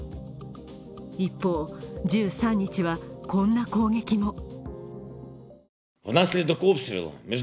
一方、１３日はこんな攻撃も。